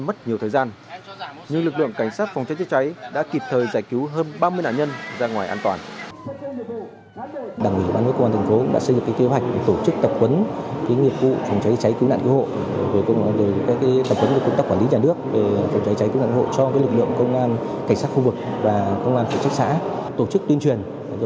mặc dù công tác chữa cháy gặp nhiều khó khăn nhưng lực lượng chức năng đã tiếp cận tổ chức cứu hộ đảm bảo an toàn tính mạng